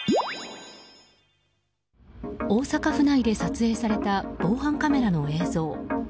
大阪府内で撮影された防犯カメラの映像。